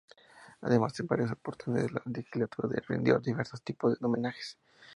Además en varias oportunidades la Legislatura le rindió diversos tipos de homenajes.